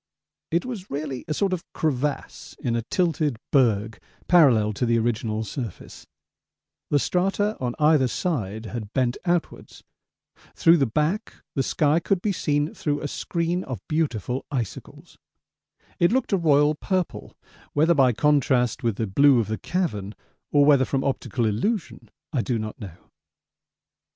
It was really a sort of crevasse in a tilted berg parallel to the original surface; the strata on either side had bent outwards; through the back the sky could be seen through a screen of beautiful icicles it looked a royal purple, whether by contrast with the blue of the cavern or whether from optical illusion I do not know.